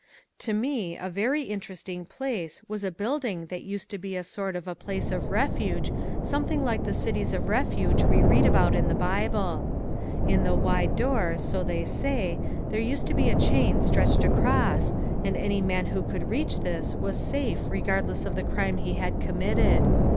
To me a very interesting place was a building that used to be a sort of a place of refuge something like the cities of refuge we read about in the Bible. In the wide door, so they say, there used to be a chain stretched across and any man who could reach this was safe regardless of the crime he had committed.